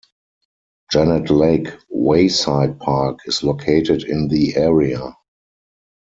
Janet Lake Wayside Park is located in the area.